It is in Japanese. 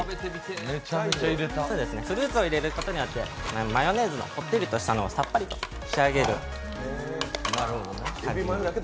フルーツを入れるとマヨネーズのこってりしたのをさっぱりと仕上げる。